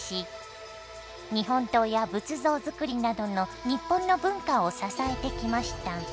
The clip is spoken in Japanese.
日本刀や仏像づくりなどの日本の文化を支えてきました。